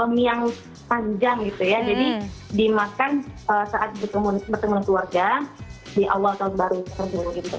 jadi dimakan saat bertemu keluarga di awal tahun baru